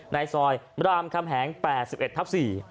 ในซอยรามคำแหง๘๑ทับ๔